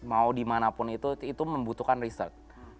mau dimanapun itu itu membutuhkan research